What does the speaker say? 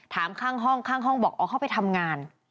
ข้างห้องข้างห้องบอกอ๋อเข้าไปทำงาน